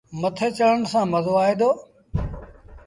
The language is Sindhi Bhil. مٿي چڙڄڻ سآݩ مزو آئي دو۔